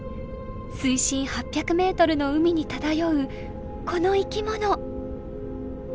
水深８００ｍの海に漂うこの生きもの。